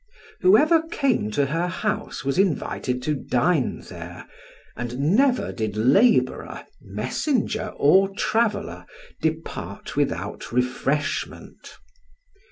Whoever came to her house was invited to dine there, and never did laborer, messenger, or traveller, depart without refreshment.